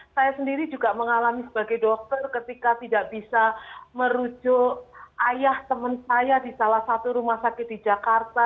saya sendiri juga mengalami sebagai dokter ketika tidak bisa merujuk ayah teman saya di salah satu rumah sakit di jakarta